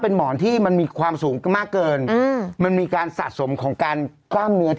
เพราะว่าบางคนติดนอนเหงื่อย